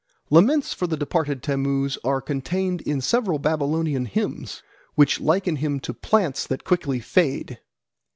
Laments for the departed Tammuz are contained in several Babylonian hymns, which liken him to plants that quickly fade.